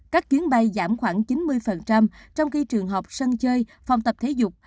các chuyến bay giảm khoảng chín mươi trong khi trường học sân chơi phòng tập thể dục